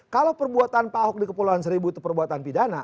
kalau perbuatan pak ahok di kepulauan seribu itu perbuatan pidana